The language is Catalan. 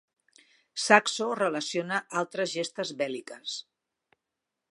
Saxo relaciona altres gestes bèl·liques.